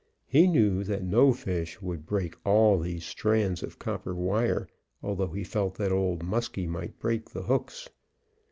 He knew that no fish would break all these strands of copper wire, although he felt that Old Muskie might break the hooks.